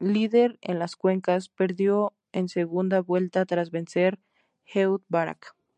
Líder en las encuestas, perdió en segunda vuelta tras vencer Ehud Barak.